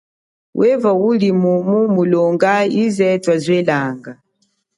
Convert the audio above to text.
Weva uli mumu wakha, ize yene twazwelanga?